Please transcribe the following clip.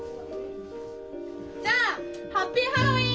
じゃあハッピーハロウィーン！